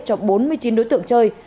cho bốn mươi chín đối tượng chơi